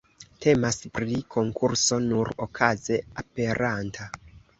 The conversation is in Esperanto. Temas pri konkurso nur okaze aperanta.